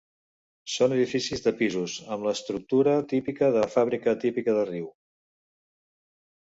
Són edificis de pisos, amb l'estructura típica de fàbrica típica de riu.